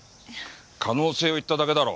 可能性を言っただけだろ。